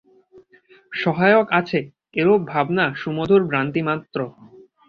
সহায়ক আছে, এরূপ ভাবনা সুমধুর ভ্রান্তিমাত্র।